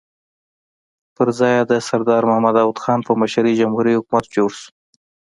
پر ځای یې د سردار محمد داؤد خان په مشرۍ جمهوري حکومت جوړ شو.